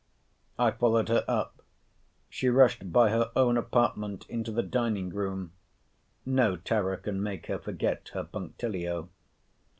I followed her up. She rushed by her own apartment into the dining room: no terror can make her forget her punctilio.